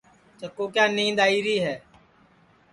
چکُو کیا نید آئی ہے